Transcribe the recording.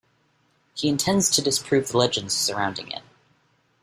He intends to disprove the legends surrounding it.